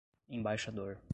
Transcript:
embaixador